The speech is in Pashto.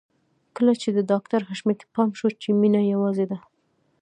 کله چې د ډاکټر حشمتي پام شو چې مينه يوازې ده.